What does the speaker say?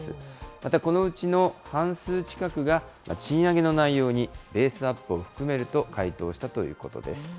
また、このうちの半数近くが、賃上げの内容にベースアップを含めると回答したということです。